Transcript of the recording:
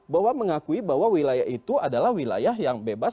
bahwa mengakui bahwa wilayah itu adalah wilayah yang bebas